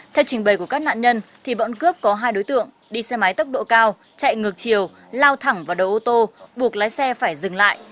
thì bọn cướp có hai đối tượng đi xe máy tốc độ cao chạy ngược chiều lao thẳng vào đầu ô tô buộc lái xe phải dừng lại